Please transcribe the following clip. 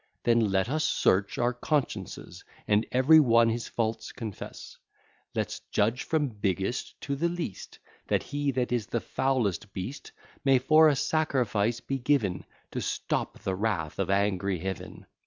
Then let us search our consciences, And every one his faults confess: Let's judge from biggest to the least That he that is the foulest beast, May for a sacrifice be given To stop the wrath of angry Heaven.